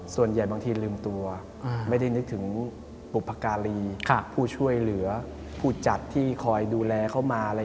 ส่วนใหญ่บางทีลืมตัวไม่ได้นึกถึงบุพการีผู้ช่วยเหลือผู้จัดที่คอยดูแลเขามาอะไร